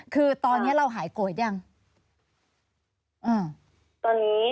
คือตอนนี้เราหายโกยย์ตรงนี้อย่างมั้ย